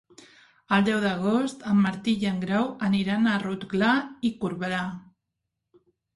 El deu d'agost en Martí i en Grau aniran a Rotglà i Corberà.